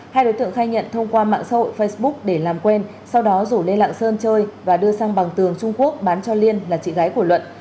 hai đối tượng khai nhận thông qua mạng xã hội facebook để làm quen sau đó rủ lên lạng sơn chơi và đưa sang bằng tường trung quốc bán cho liên là chị gái của luận